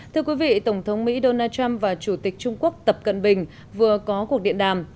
thưa quý vị tổng thống mỹ donald trump và chủ tịch trung quốc tập cận bình vừa có cuộc điện đàm